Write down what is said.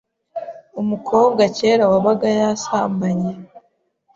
Umukobwa kera wabaga yasambanye